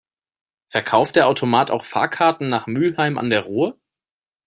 Verkauft der Automat auch Fahrkarten nach Mülheim an der Ruhr?